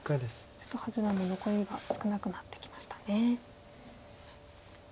瀬戸八段も残りが少なくなってきましたね。